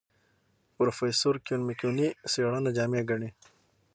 پروفیسر کیون میکونوی څېړنه جامع ګڼي.